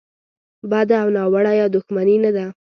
بده او ناوړه یا دوښمني نه ده.